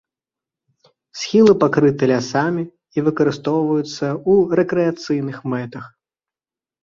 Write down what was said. Схілы пакрыты лясамі і выкарыстоўваюцца ў рэкрэацыйных мэтах.